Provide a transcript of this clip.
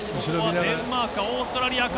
デンマークかオーストラリアか。